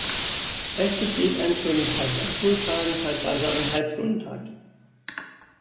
Es besteht ein Stundentakt, an Schultagen zeitweise ein Halbstundentakt.